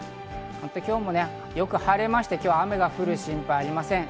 今日もよく晴れまして、雨が降る心配は今日はありません。